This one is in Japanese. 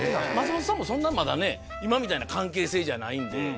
松本さんもそんなまだね今みたいな関係性じゃないんで。